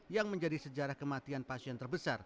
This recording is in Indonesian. yang menjadi sejarah kematian pasien terbesar